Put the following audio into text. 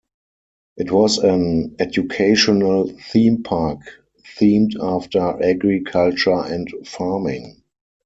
It was an educational themepark themed after agriculture and farming.